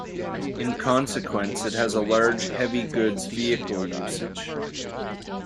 In consequence it has a large Heavy Goods Vehicle usage.